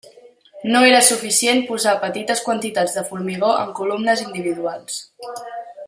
No era suficient posar petites quantitats de formigó en columnes individuals.